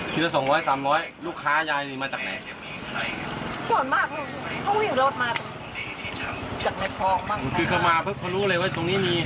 ครับผมนายทำงานหรือยังครับไม่ได้ทำ